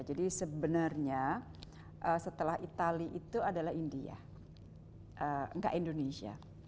jadi sebenarnya setelah italia itu adalah india enggak indonesia